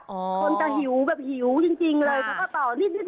คนที่หิวแบบผิวจริงเลย